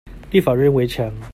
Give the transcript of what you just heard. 立法院圍牆